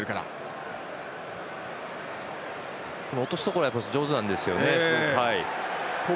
落としどころが上手なんですよね。